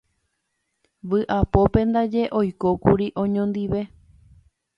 Vy'apópe ndaje oikókuri oñondive.